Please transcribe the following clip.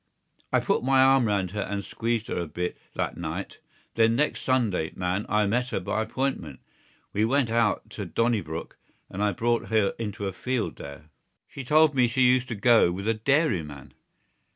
I put my arm round her and squeezed her a bit that night. Then next Sunday, man, I met her by appointment. We went out to Donnybrook and I brought her into a field there. She told me she used to go with a dairyman....